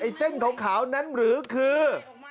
เส้นขาวนั้นหรือคือ